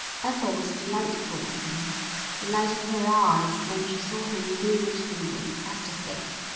Ethel was delightful with him. The light in her eyes when she saw him filled him with ecstasy.